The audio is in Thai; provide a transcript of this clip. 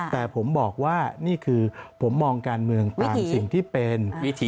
แต่ผมบอกว่านี่คือผมมองการเมืองตามสิ่งที่เป็น